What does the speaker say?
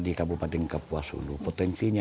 di kabupaten kepuasulu potensinya